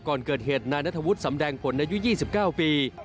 ก่อนเกิดเหตุนายนัทวุฒิสำแดงผลอายุ๒๙ปี